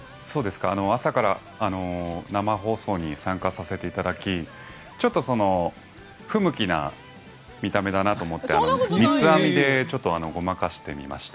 朝から生放送に参加させていただきちょっと不向きな見た目だなと思って三つ編みでごまかしてみました。